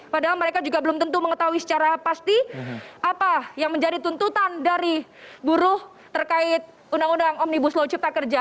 padahal mereka juga belum tentu mengetahui secara pasti apa yang menjadi tuntutan dari buruh terkait undang undang omnibus law cipta kerja